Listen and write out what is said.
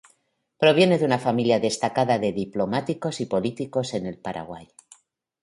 Proviene de una familia destacada de diplomáticos y políticos en el Paraguay.